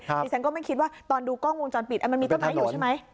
ดิฉันก็ไม่คิดว่าตอนดูกล้องวงจรปิดมันมีต้นไม้อยู่ใช่ไหม